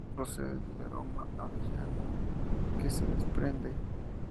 El nombre procede del aroma a avellana que se desprende.